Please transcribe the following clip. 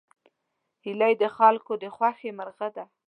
هیلۍ د خلکو د خوښې مرغه ده